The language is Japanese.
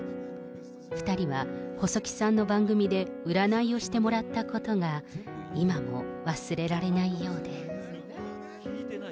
２人は細木さんの番組で占いをしてもらったことが、今も忘れられないようで。